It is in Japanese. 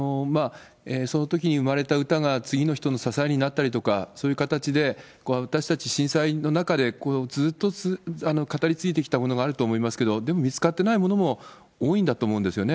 そのときに生まれた歌が次の人の支えになったりとか、そういう形で私たち、震災の中でこれをずっと語り継いできたものがあると思いますけど、でも見つかってないものも多いんだと思うんですよね。